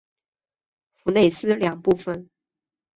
弗内斯两部分。